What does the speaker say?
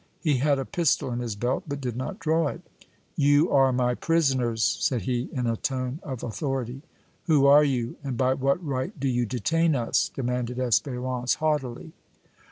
He had a pistol in his belt, but did not draw it. "You are my prisoners!" said he, in a tone of authority. "Who are you, and by what right do you detain us?" demanded Espérance, haughtily.